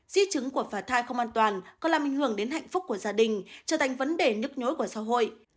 di chứng của phá thai không an toàn có làm hình hưởng đến hạnh phúc của gia đình trở thành vấn đề nức nhối của xã hội